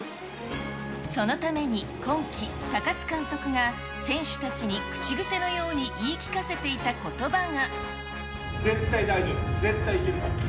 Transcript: そのために今季、高津監督が選手たちに口癖のように言い聞かせていたことばが。